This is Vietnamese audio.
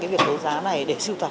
đấu giá này để sưu tập